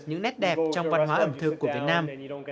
những nét đẹp trong văn hóa ẩm thực của việt nam